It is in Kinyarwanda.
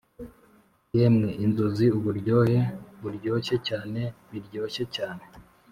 yemwe inzozi uburyohe, buryoshye cyane, biryoshye cyane,